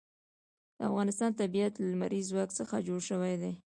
د افغانستان طبیعت له لمریز ځواک څخه جوړ شوی دی.